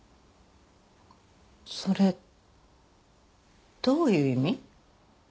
それどういう意味？